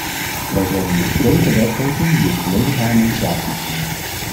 Wij zijn dan ook tegen wetgeving die op volledige harmonisatie is gericht.